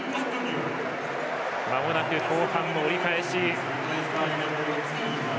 まもなく後半も折り返し。